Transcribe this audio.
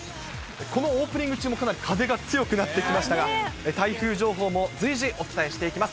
このオープニング中もかなり風が強くなってきましたが、台風情報も随時お伝えしていきます。